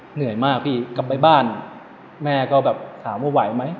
เหนื่อยมากพี่กลับไปบ้านแม่ก็แบบถามว่าไหวไหม